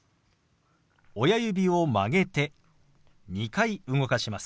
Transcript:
親指を曲げて２回動かします。